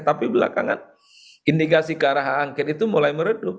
tapi belakangan indikasi ke arah hak angket itu mulai meredup